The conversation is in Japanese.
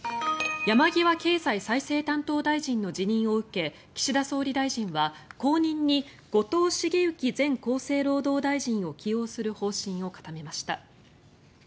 山際経済再生担当大臣の辞任を受け岸田総理大臣は後任に後藤茂之前厚生労働大臣を起用する方針を固めました。